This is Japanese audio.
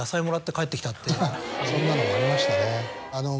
そんなのもありましたね。